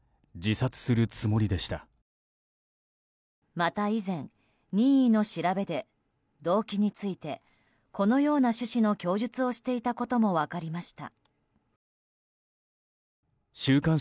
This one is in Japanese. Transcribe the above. また、以前任意の調べで動機についてこのような趣旨の供述をしていたことも分かりました。